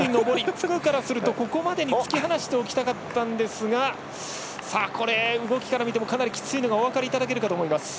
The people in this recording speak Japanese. フグからするとここまでに突き放しておきたかったんですが動きから見てもかなりきついのがお分かりいただけると思います。